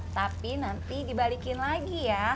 tapi nanti dibalikin sama dia